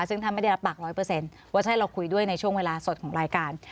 ซึ่งท่านไม่ได้รับปากร้อยเปอร์เซ็นต์ว่าจะให้เราคุยด้วยในช่วงเวลาสดของรายการ